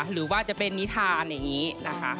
หรือว่าจะเป็นนิทานอย่างนี้นะคะ